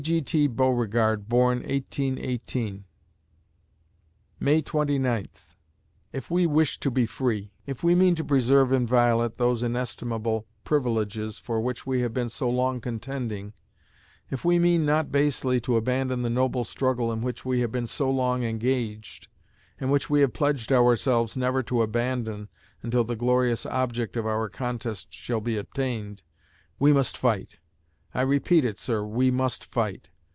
G. T. Beauregard born, 1818_ May Twenty Ninth If we wish to be free if we mean to preserve inviolate those inestimable privileges for which we have been so long contending if we mean not basely to abandon the noble struggle in which we have been so long engaged, and which we have pledged ourselves never to abandon until the glorious object of our contest shall be obtained we must fight! I repeat it, sir, we must fight!